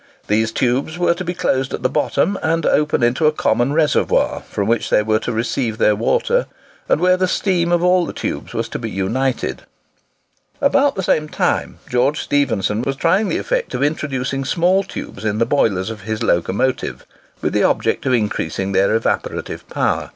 These tubes were to be closed at the bottom, and open into a common reservoir, from which they were to receive their water, and where the steam of all the tubes was to be united. About the same time George Stephenson was trying the effect of introducing small tubes in the boilers of his locomotives, with the object of increasing their evaporative power.